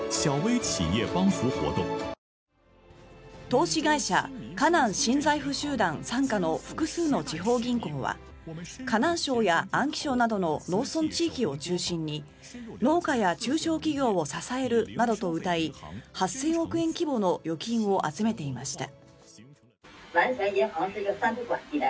投資会社河南新財富集団傘下の複数の地方銀行は河南省や安徽省などの農村地域を中心に農家や中小企業を支えるなどとうたい８０００億円規模の預金を集めていました。